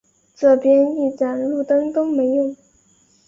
这边一盏路灯都没有